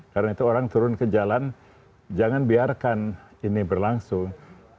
karena itu orang turun ke jalan jangan biarkan ini berlangsung